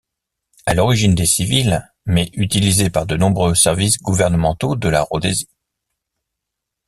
À l'origine des civils, mais utilisés par de nombreux services gouvernementaux de la Rhodésie.